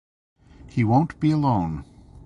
He won’t be alone.